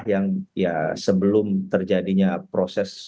yang ya sebelum terjadinya proses